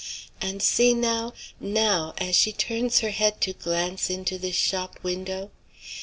And see, now, now! as she turns her head to glance into this shop window!